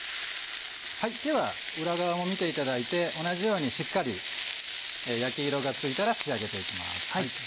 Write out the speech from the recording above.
では裏側も見ていただいて同じようにしっかり焼き色がついたら仕上げて行きます。